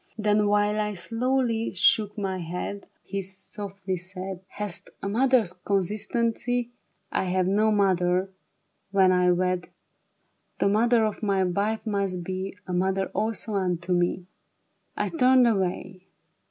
Then while I slowly shook my head, He softly said, " Thou hast a mother's constancy ; I have no mother ; when I wed, The mother of my wife must be A mother also unto me.'' I turned away.